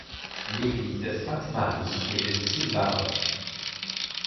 L’église Sainte-Marie est de style baroque.